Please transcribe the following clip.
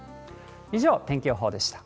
以上、天気予報でした。